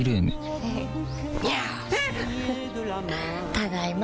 ただいま。